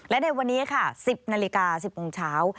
และในวันนี้๑๐นาฬิกา๑๐องค์เช้า